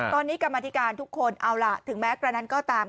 ตอนนี้กรรมธิการทุกคนเอาล่ะถึงแม้กระนั้นก็ตาม